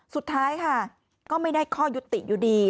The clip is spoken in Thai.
สุดท้ายค่ะก็ไม่ได้ข้อยุติอยู่ดี